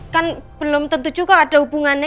kan belum tentu juga ada hubungannya